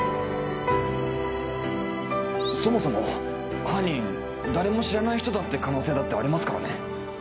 そもそも犯人誰も知らない人だって可能性だってありますからね。